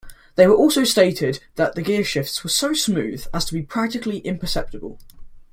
They also stated that the gearshifts were so smooth as to be practically imperceptible.